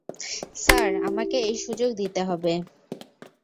Sir, আমাকে এই সুযোগ দিতে হবে।